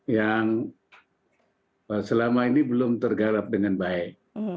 yang selama ini belum tergarap dengan baik